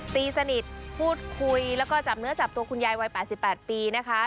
ตีสนิทพูดคุยแล้วก็จับเนื้อจับตัวคุณยายวัย๘๘ปีนะคะ